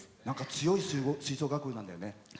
強い吹奏楽部なんだよね。